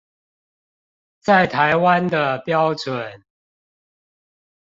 在台灣的標準